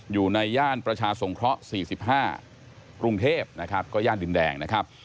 อยู่ในย่านประชาสงเคราะห์๔๕กรุงเทพนะครับก็ย่านดินแดงนะครับ